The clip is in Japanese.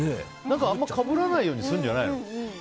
あまりかぶらないようにするんじゃないの？